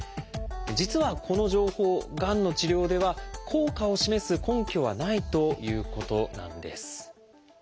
実はこの情報がんの治療では効果を示す根拠はないということなんです。